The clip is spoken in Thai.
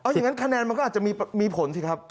อย่างนั้นคะแนนมันก็อาจจะมีผลสิครับ